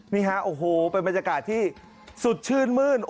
นี่ฮะโอ้โหเป็นบรรยากาศที่สุดชื่นมื้น